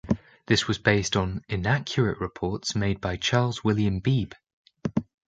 This was based on inaccurate reports made by Charles William Beebe.